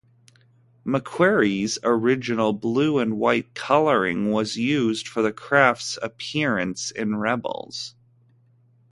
McQuarrie's original blue-and-white coloring was used for the craft's appearance in Rebels.